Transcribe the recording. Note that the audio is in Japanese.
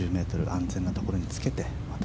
安全なところにつけてまた